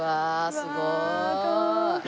すごーい。